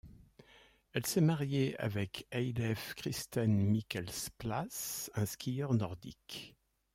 Elle s'est mariée avec Eilef Kristen Mikkelsplass, un skieur nordique.